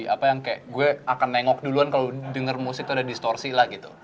apa yang kayak gue akan nengok duluan kalau denger musik itu ada distorsi lah gitu